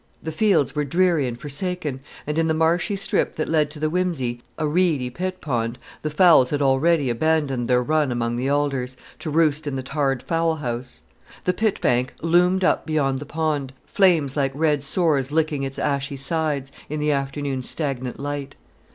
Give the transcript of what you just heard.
The fields were dreary and forsaken, and in the marshy strip that led to the whimsey, a reedy pit pond, the fowls had already abandoned their run among the alders, to roost in the tarred fowl house. The pit bank loomed up beyond the pond, flames like red sores licking its ashy sides, in the afternoon's stagnant light.